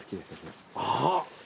あっ！